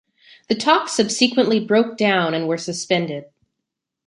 The talks subsequently broke down and were suspended.